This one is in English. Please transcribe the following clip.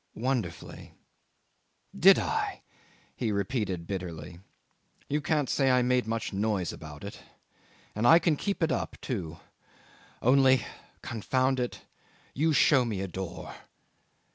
Wonderfully! "Did I?" he repeated bitterly. "You can't say I made much noise about it. And I can keep it up, too only, confound it! you show me a door."